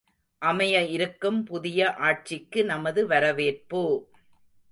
அமைய இருக்கும் புதிய ஆட்சிக்கு நமது வரவேற்பு!